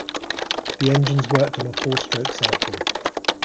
The engines worked on a four-stroke cycle.